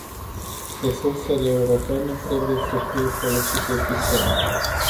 Resursele europene trebuie să fie folosite eficient.